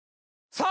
さあ！